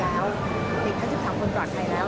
เห็นก็ถึงถามคนตรอดใครแล้ว